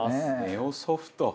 ネオソフト。